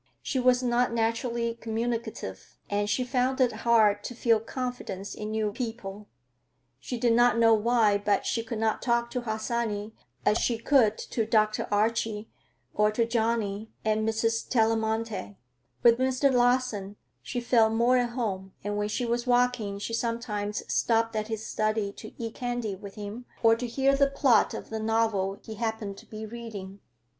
She was not naturally communicative, and she found it hard to feel confidence in new people. She did not know why, but she could not talk to Harsanyi as she could to Dr. Archie, or to Johnny and Mrs. Tellamantez. With Mr. Larsen she felt more at home, and when she was walking she sometimes stopped at his study to eat candy with him or to hear the plot of the novel he happened to be reading.